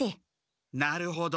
なるほど。